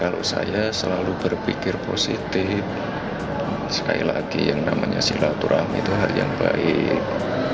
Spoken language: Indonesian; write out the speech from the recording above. kalau saya selalu berpikir positif sekali lagi yang namanya silaturahmi itu hari yang baik